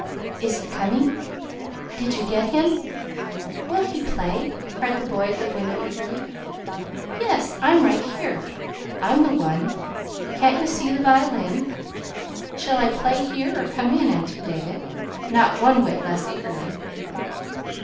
"Is he coming? Did you get him? Will he play?" called the boy at the window eagerly. "Yes, I'm right here. I'm the one. Can't you see the violin? Shall I play here or come in?" answered David, not one whit less eagerly.